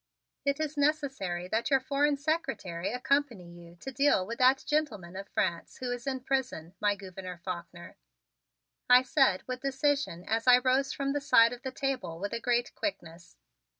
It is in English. "It is necessary that your foreign secretary accompany you to deal with that gentleman of France who is in prison, my Gouverneur Faulkner," I said with decision as I rose from the side of the table with a great quickness.